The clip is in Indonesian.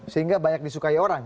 sehingga banyak disukai orang